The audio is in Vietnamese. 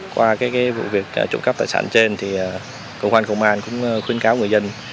qua cái vụ việc trộm cắp tài sản trên thì công an cũng khuyến cáo người dân